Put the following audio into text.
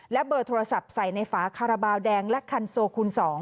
และเบอร์โทรศัพท์ใส่ในฝาคาราบาลแดงและคันโซคูณ๒